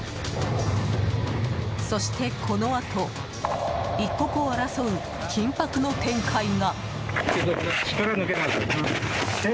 そして、このあと一刻を争う緊迫の展開が。